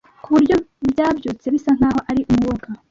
Ku buryo byabyutse bisa nkaho ari umwuka